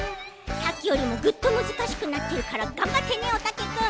さっきよりもグッとむずかしくなってるからがんばってねおたけくん。